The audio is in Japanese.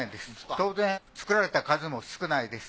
当然作られた数も少ないです。